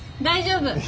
大丈夫。